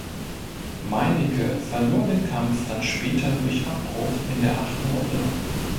Meinicke verlor den Kampf dann später durch Abbruch in der achten Runde.